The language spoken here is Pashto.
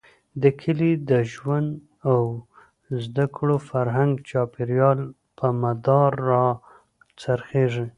د کلي د ژوند او زده کړو، فرهنګ ،چاپېريال، په مدار را څرخېږي.